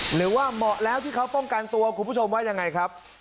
เหมาะแล้วที่เขาป้องกันตัวคุณผู้ชมว่ายังไงครับ